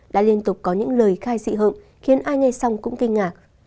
đã liên tục có những lời khai dị hợm khiến ai nghe xong cũng kinh ngạc